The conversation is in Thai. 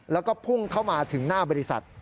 แล้วก็พุ่งเข้ามาถึงหน้าบริษัท